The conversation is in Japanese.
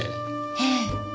ええ。